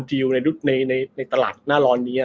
ในตลาดหน้าร้อนนี้